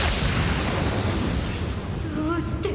どうして？